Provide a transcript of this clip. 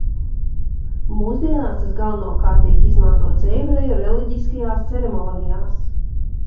Mūsdienās tas galvenokārt tiek izmantots ebreju reliģiskajās ceremonijās.